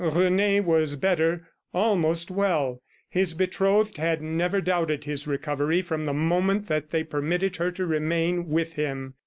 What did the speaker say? Rene was better, almost well. His betrothed had never doubted his recovery from the moment that they permitted her to remain with him.